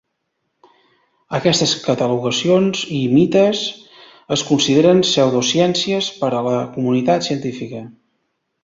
Aquestes catalogacions i mites es consideren pseudociències per a la comunitat científica.